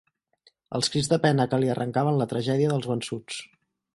Els crits de pena que li arrencaven la tragèdia dels vençuts